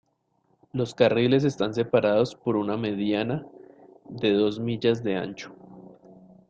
Los carriles están separados por una "mediana" de dos millas de ancho.